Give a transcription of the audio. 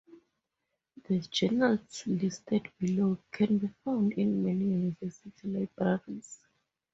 The journals listed below can be found in many university libraries.